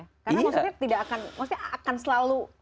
karena maksudnya akan selalu